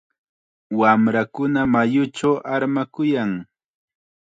Wamrakuna mayuchaw armakuyan.